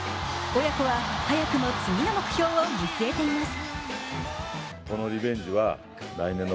親子は早くも次の目標を見据えています。